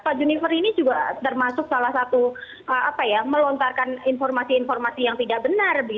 pak junifer ini juga termasuk salah satu melontarkan informasi informasi yang tidak benar